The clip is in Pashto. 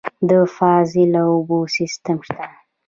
د فاضله اوبو سیستم شته؟